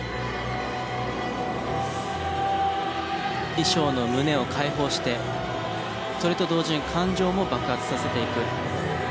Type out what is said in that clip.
衣装の胸を開放してそれと同時に感情も爆発させていく。